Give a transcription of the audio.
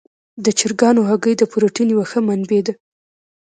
د چرګانو هګۍ د پروټین یوه ښه منبع ده.